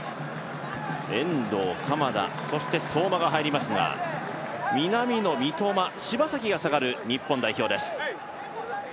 遠藤、鎌田、そして相馬が入りますが南野、三笘柴崎が下がる日本代表です。